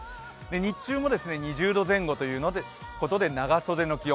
日中も２０度前後ということで長袖の気温。